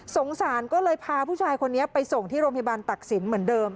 สงสารก็เลยพาผู้ชายคนนี้ไปส่งที่โรงพยาบาลตักศิลป์เหมือนเดิม